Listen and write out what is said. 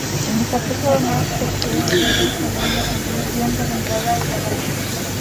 En esta performance Tejada-Herrera instalo una pantalla gigante a la entrada de la galería.